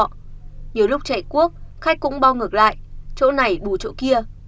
nhiều lúc chạy cuốc khách cũng bao ngược lại chỗ này bù chỗ kia